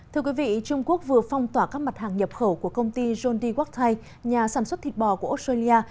thưa quý vị trung quốc vừa phong tỏa các mặt hàng nhập khẩu của công ty john d wachtey nhà sản xuất thịt bò của australia